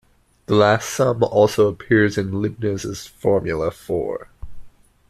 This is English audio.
The last sum also appears in Leibniz' formula for.